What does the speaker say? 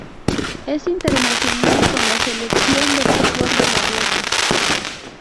Es internacional con la Selección de fútbol de Marruecos.